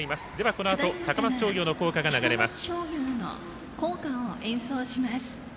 このあと、高松商業の校歌が流れます。